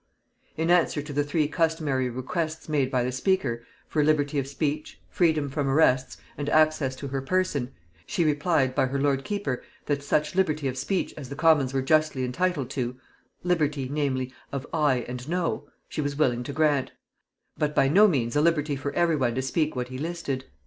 In answer to the three customary requests made by the speaker, for liberty of speech, freedom from arrests, and access to her person, she replied by her lord keeper, That such liberty of speech as the commons were justly entitled to, liberty, namely, of aye and no, she was willing to grant; but by no means a liberty for every one to speak what he listed.